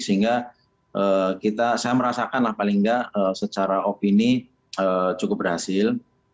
sehingga saya merasakan paling enggak secara opini cukup berhasil